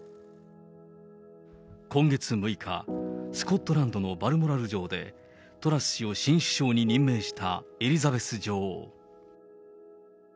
今月６日、スコットランドのバルモラル城でトラス氏を新首相に任命したエリザベス女王。